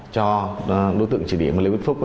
cho đối tượng trị điểm lê viết phúc